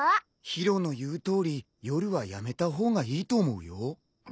宙の言うとおり夜はやめた方がいいと思うよ。